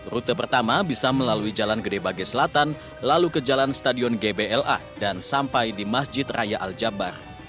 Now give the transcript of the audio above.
rute pertama bisa melalui jalan gede bage selatan lalu ke jalan stadion gbla dan sampai di masjid raya al jabbar